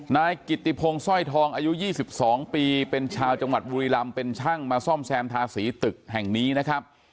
นายกิติพงศ์สร้อยทองอายุ๒๒ปีเป็นชาวจังหวัดบุรีรำเป็นช่างมาซ่อมแซมทาสีตึกแห่งนี้นะครับ